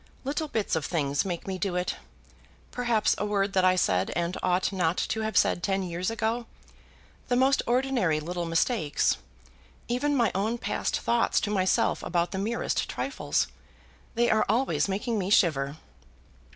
"Little bits of things make me do it; perhaps a word that I said and ought not to have said ten years ago; the most ordinary little mistakes, even my own past thoughts to myself about the merest trifles. They are always making me shiver."